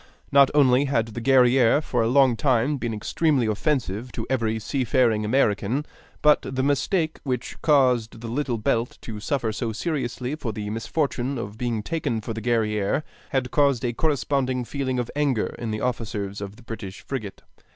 Not only had the Guerrière for a long time been extremely offensive to every seafaring American, but the mistake which caused the Little Belt to suffer so seriously for the misfortune of being taken for the Guerrière had caused a corresponding feeling of anger in the officers of the British frigate.